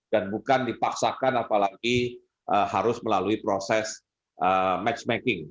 dan bukan dipaksakan apalagi harus melalui proses matchmaking